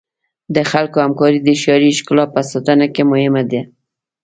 د خلکو همکاري د ښاري ښکلا په ساتنه کې مهمه ده.